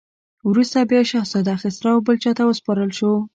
وروسته بیا شهزاده خسرو بل چا ته وسپارل شو.